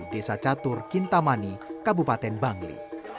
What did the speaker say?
desa catur kintamani kabupaten bangli